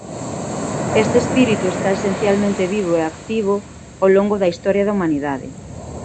Ese espírito está esencialmente vivo e activo ao longo da historia da humanidade.